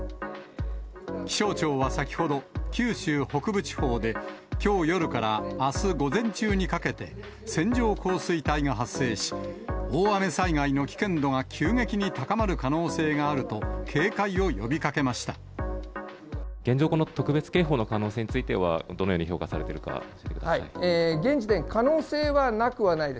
気象庁は先ほど、九州北部地方で、きょう夜からあす午前中にかけて、線状降水帯が発生し、大雨災害の危険度が急激に高まる可能性があると、警戒を呼びかけ現状、この特別警報の可能性については、どのように評価されているか教えてください。